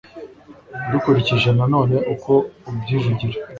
dukurikije nanone uko ibyivugira